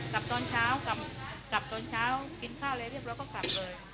กลับตอนเช้ากลับตอนเช้ากินข้าวอะไรเรียบร้อยก็กลับเลย